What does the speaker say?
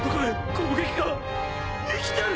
攻撃が生きてる！？